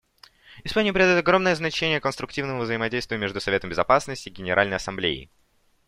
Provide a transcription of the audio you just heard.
Испания придает огромное значение конструктивному взаимодействию между Советом Безопасности и Генеральной Ассамблеей.